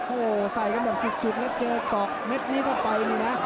วัดกันแบบฉุดแล้วเจอศอกเม็ดนี้เข้าไปนี่นะ